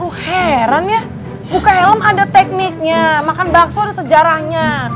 aduh heran ya buka helm ada tekniknya makan bakso ada sejarahnya